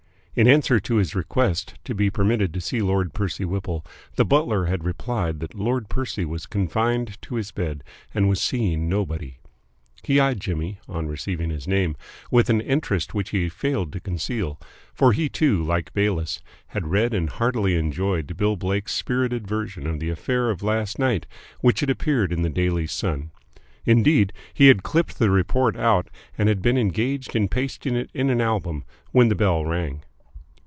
In answer to his request to be permitted to see Lord Percy Whipple, the butler had replied that Lord Percy was confined to his bed and was seeing nobody. He eyed Jimmy, on receiving his name, with an interest which he failed to conceal, for he too, like Bayliss, had read and heartily enjoyed Bill Blake's spirited version of the affair of last night which had appeared in the Daily Sun. Indeed, he had clipped the report out and had been engaged in pasting it in an album when the bell rang.